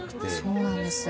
そうなんですよ。